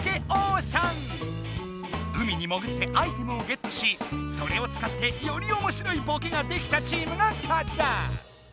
海にもぐってアイテムをゲットしそれを使ってよりおもしろいボケができたチームが勝ちだ！